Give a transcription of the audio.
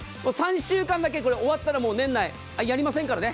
これ、終わったら年内やりませんからね。